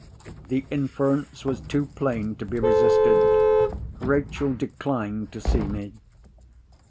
The inference was too plain to be resisted. Rachel declined to see me.